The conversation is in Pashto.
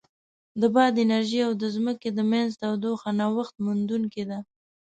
د باد انرژي او د ځمکې د منځ تودوخه نوښت منونکې ده.